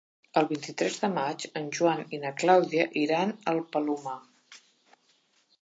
El vint-i-tres de maig en Joan i na Clàudia iran al Palomar.